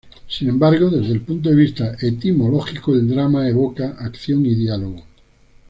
Sin embargo, desde el punto de vista etimológico, el drama evoca acción y diálogo.